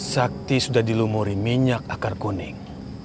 sakti sudah dilumuri minyak akar kuning